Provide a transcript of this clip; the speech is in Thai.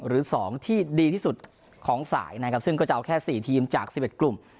หรือ๒ที่ดีที่สุดของสายนะครับซึ่งก็จะเอาแค่๔ทีมจาก๑๑กลุ่ม